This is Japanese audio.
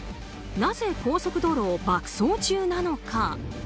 なぜ高速道路を爆走中なのか。